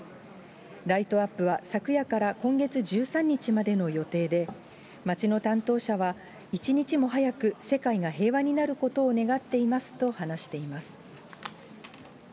ライトアップは昨夜から今月１３日までの予定で、町の担当者は一日も早く世界が平和になることを願っていますと話しています。